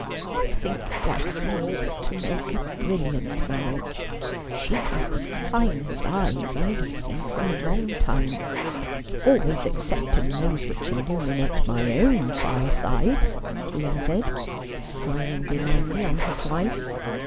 I think Daphne ought to make a brilliant marriage. She has the finest eyes I have seen for a long time — always excepting those which illuminate my own fireside,' he added, smiling benignly on his wife.